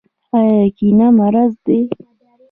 آیا کینه مرض دی؟